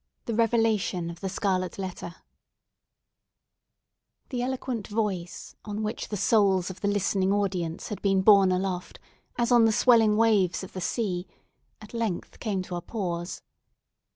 THE REVELATION OF THE SCARLET LETTER The eloquent voice, on which the souls of the listening audience had been borne aloft as on the swelling waves of the sea, at length came to a pause.